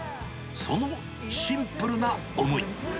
そのシンプルな思い。